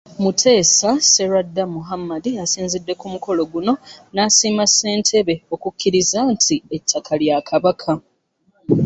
Muteesa Sserwadda Muhammad asinzidde ku mukolo guno n'asiima ssentebe okukkiriza nti ettaka lya Kabaka.